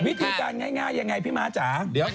วิธีการง่ายยังไงพี่ม้าจ๋า